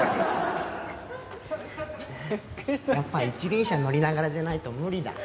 やっぱ一輪車に乗りながらじゃないと無理だ。